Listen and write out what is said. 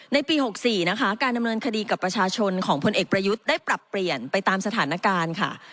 ในปี๖๔นะคะการดำเนินคดีกับประชาชนของพลเอกประยุทธ์ได้ปรับเปลี่ยนไปตามสถานการณ์ค่ะ